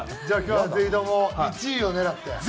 じゃあ今日はぜひとも１位を狙って。